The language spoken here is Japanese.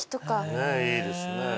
ねえいいですね。